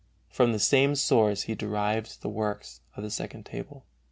From the same source he derives the works of the Second Table.